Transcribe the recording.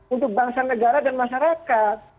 untuk bangsa negara dan masyarakat